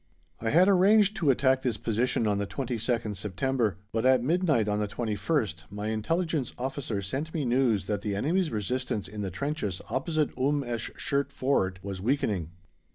I had arranged to attack this position on the 22nd September, but at midnight on the 21st my Intelligence Officer sent me news that the enemy's resistance in the trenches opposite Umm esh Shert Ford was weakening.